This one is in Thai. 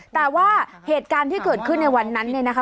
แต่ว่าเหตุการณ์ที่เกิดขึ้นในวันนั้นเนี่ยนะคะ